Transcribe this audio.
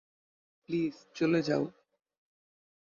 Please চলে যাও।